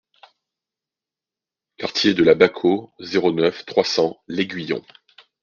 Quartier de la Baquo, zéro neuf, trois cents L'Aiguillon